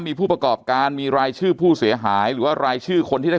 มีผู้ประกอบการมีรายชื่อผู้เสียหายหรือว่ารายชื่อคนที่ได้